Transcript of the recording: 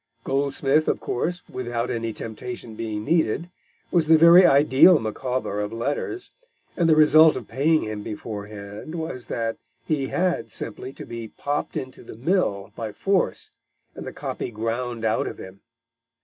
Goldsmith, of course, without any temptation being needed, was the very ideal Micawber of letters, and the result of paying him beforehand was that he had, simply, to be popped into the mill by force, and the copy ground out of him.